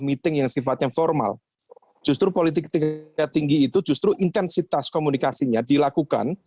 meeting yang sifatnya formal justru politik tingkat tinggi itu justru intensitas komunikasinya dilakukan